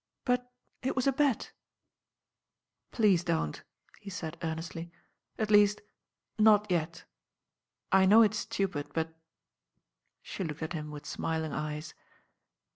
••But it was a bet." ••Please don't," he said earnestly; "at least, not yet I know it's stupid; but " She looked at him with smiling eyes.